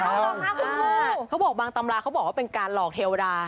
ถูกต้องค่ะคุณพ่อเขาบอกบางตำราเขาบอกว่าเป็นการหลอกเทวดา